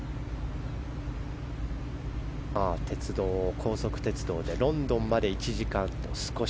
高速鉄道でロンドンまで１時間と少し。